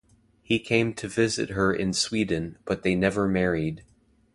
He came to visit her in Sweden, but they never married.